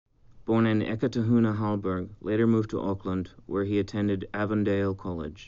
Born in Eketahuna, Halberg later moved to Auckland, where he attended Avondale College.